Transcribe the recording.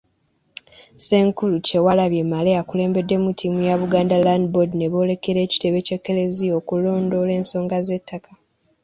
Ssenkulu Kyewalabye Male akulembeddemu ttiimu ya Buganda Land Board ne boolekera ekitebe ky'Ekklezia okulondoola ensonga z'ettaka.